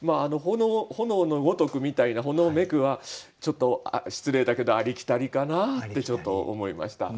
「炎の如く」みたいな「炎めく」はちょっと失礼だけどありきたりかなってちょっと思いました。